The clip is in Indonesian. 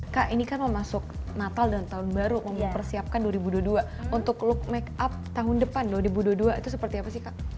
kak ini kan mau masuk natal dan tahun baru mempersiapkan dua ribu dua puluh dua untuk look make up tahun depan dua ribu dua puluh dua itu seperti apa sih kak